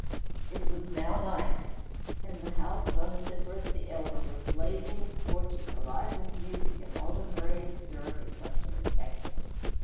It was now night; and the house of Onesiphorus the Elder was blazing with torches, alive with music, and all the hurry and stir of a sumptuous banquet.